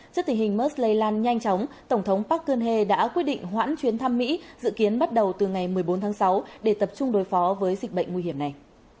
trước tình hình mers lây lan nhanh chóng tổng thống park kene đã quyết định hoãn chuyến thăm mỹ dự kiến bắt đầu từ ngày một mươi bốn tháng sáu để tập trung đối phó với dịch bệnh nguy hiểm này